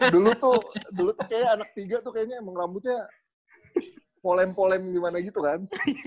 dulu tuh dulu tuh kayaknya anak tiga tuh kayaknya emang rambutnya polem polem gimana gitu kan